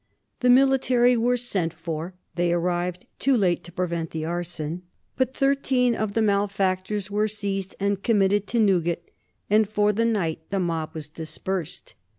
The military were sent for; they arrived too late to prevent the arson, but thirteen of the malefactors were seized and committed to Newgate, and for the night the mob was dispersed.